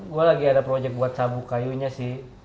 gue lagi ada proyek buat sabu kayunya sih